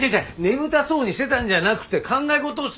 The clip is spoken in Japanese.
眠たそうにしてたんじゃなくて考え事を。